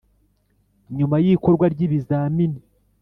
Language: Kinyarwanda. nyuma y’ikorwa ryi bizamini,